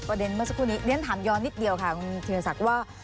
เมื่อสักครู่นี้เรียนถามย้อนนิดเดียวค่ะคุณธีรศักดิ์ว่า